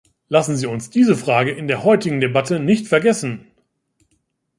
Lassen Sie uns diese Frage in der heutigen Debatte nicht vergessen.